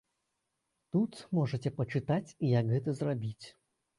Тут можаце пачытаць, як гэта зрабіць.